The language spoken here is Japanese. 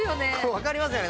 わかりますよね